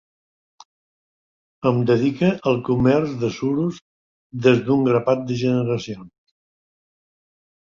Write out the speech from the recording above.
Em dedique al comerç de suros des d'un grapat de generacions.